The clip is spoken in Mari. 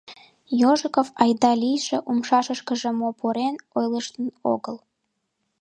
Ежиков айда-лийже, умшашкыже мо пурен, ойлыштын огыл.